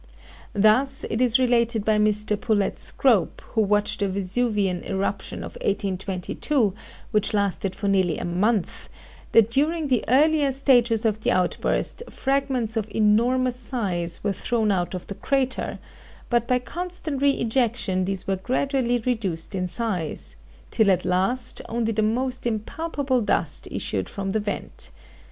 Thus it is related by Mr. Poulett Scrope, who watched the Vesuvian eruption of 1822, which lasted for nearly a month, that during the earlier stages of the outburst fragments of enormous size were thrown out of the crater, but by constant re ejection these were gradually reduced in size, till at last only the most impalpable dust issued from the vent.